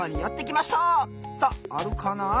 さっあるかな？